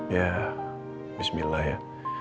ya bismillah ya